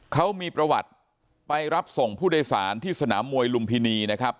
เขามีประวัติไปรับส่งผู้โดยสารที่สนามมวยลุมพินีนะครับ